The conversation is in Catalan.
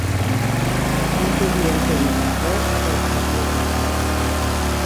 No podia entendre res del que havia passat.